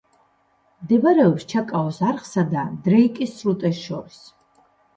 მდებარეობს ჩაკაოს არხსა და დრეიკის სრუტეს შორის.